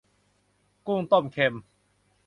กุ้งต้มเค็ม